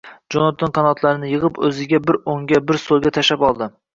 Jonatan qanotlarini yig‘ib, o‘zini bir o‘ngga, bir so‘lga tashlab oldi.